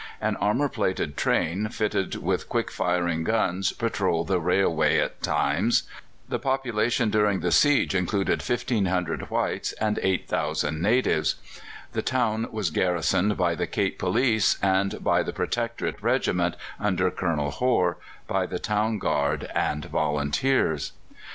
An armour plated train, fitted with quick firing guns, patrolled the railway at times. The population during the siege included 1,500 whites and 8,000 natives. The town was garrisoned by the Cape Police and by the Protectorate Regiment, under Colonel Hore, by the Town Guard, and volunteers.